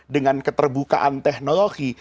dengan keterbukaan teknologi